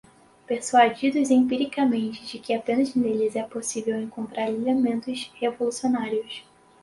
persuadidos empiricamente de que apenas neles é possível encontrar elementos revolucionários